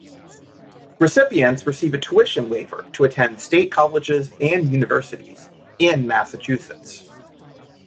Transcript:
Recipients receive a tuition waiver to attend state colleges and universities in Massachusetts.